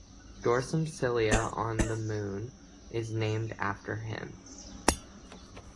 Dorsum Scilla on the Moon is named after him.